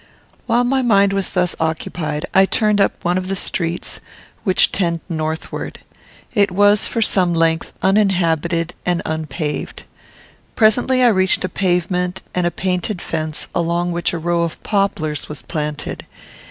While my mind was thus occupied, I turned up one of the streets which tend northward. It was, for some length, uninhabited and unpaved. Presently I reached a pavement, and a painted fence, along which a row of poplars was planted.